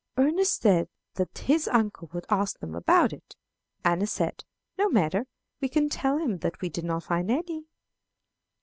Ernest said that his uncle would ask them about it. Anna said, 'No matter, we can tell him that we did not find any.'